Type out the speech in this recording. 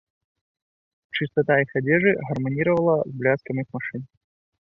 Чыстата іх адзежы гарманіравала з бляскам іх машын.